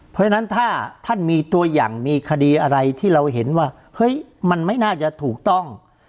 เพราะฉะนั้นถ้าท่านมีตัวอย่างมีคดีอะไรที่เราเห็นว่าเฮ้ยมันไม่น่าจะถูกต้อง